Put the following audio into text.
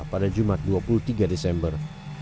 pada jumat dua puluh tiga desember